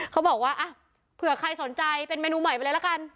เขาบอกว่าเผื่อใครสนใจเป็นเมนูใหม่ไปเลยละกัน